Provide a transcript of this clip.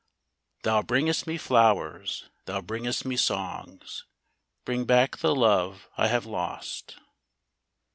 " Thou bringest me flowers, thou bringest me songs, — Bring back the love I have lost."